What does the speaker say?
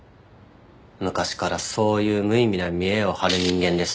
昔からそういう無意味な見えを張る人間でした。